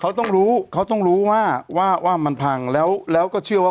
เขาต้องรู้เขาต้องรู้ว่าว่ามันพังแล้วแล้วก็เชื่อว่า